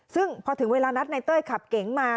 ซึ่งพอถึงเวลานัดในเต้ยขับเก๋งมา